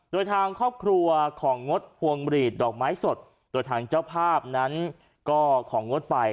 โดยทางครอบครัวของงดพวงหลีดดอกไม้สดโดยทางเจ้าภาพนั้นก็ของงดไป